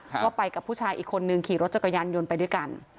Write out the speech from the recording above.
ว่าไปกับผู้ชายอีกคนนึงขี่รถจักรยานยนต์ไปด้วยกัน